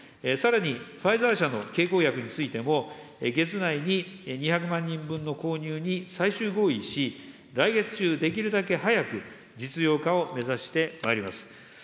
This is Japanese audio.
さらに、ファイザー社の経口薬についても、月内に２００万人分の購入に最終合意し、来月中、できるだけ早く実用化を目指してまいります。